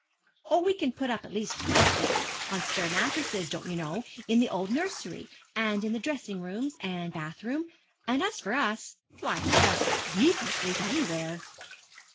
'Oh, we can put up at least twenty on spare mattresses, don't you know, in the old nursery, and in the dressing rooms and bath room; and as for us, why, of course, we can sleep anywhere.'